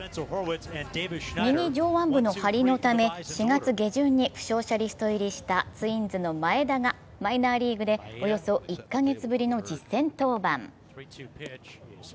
右上腕部の張りのため４月下旬に負傷者リスト入りしたツインズの前田がマイナーリーグでおよそ１か月ぶりの実戦登板。